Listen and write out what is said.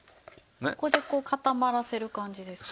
これでこう固まらせる感じですか？